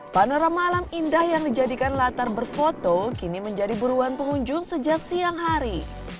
panorama alam indah yang dijadikan latar berfoto kini menjadi buruan pengunjung sejak siang hari